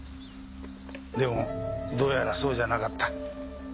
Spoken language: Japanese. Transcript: でもどうやらそうじゃなかった。